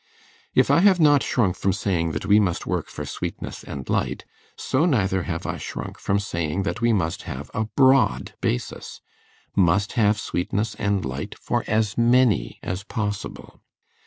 If I have not shrunk from saying that we must work for sweetness and light, so neither have I shrunk from saying that we must have a broad basis, must have sweetness and light for as many as possible.